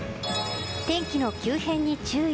天気の急変に注意。